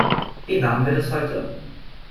Wie warm wird es heute?